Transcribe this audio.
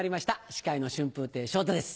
司会の春風亭昇太です。